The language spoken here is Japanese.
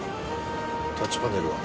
タッチパネルが。